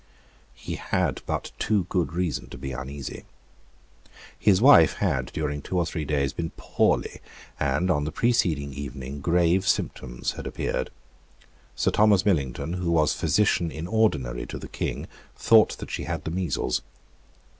He had but too good reason to be uneasy. His wife had, during two or three days, been poorly; and on the preceding evening grave symptoms had appeared. Sir Thomas Millington, who was physician in ordinary to the King, thought that she had the measles.